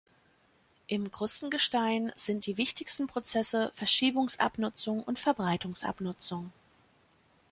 Im Krustengestein sind die wichtigsten Prozesse Verschiebungsabnutzung und Verbreitungsabnutzung.